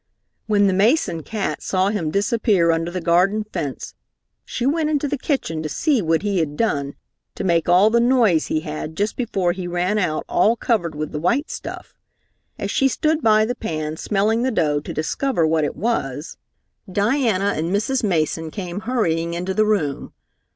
When the Mason cat saw him disappear under the garden fence, she went into the kitchen to see what he had done to make all the noise he had just before he ran out all covered with the white stuff. As she stood by the pan smelling the dough to discover what it was, Diana and Mrs. Mason came hurrying into the room.